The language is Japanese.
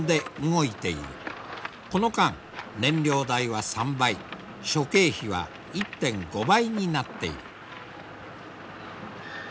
この間燃料代は３倍諸経費は１．５倍になっている。